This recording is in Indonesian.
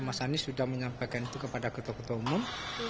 mas anies sudah menyampaikan itu kepada ketua ketua umum